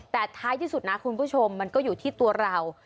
แต่ท้ายที่สุดนะคุณผู้ชมมันก็อยู่ที่ตัวเรา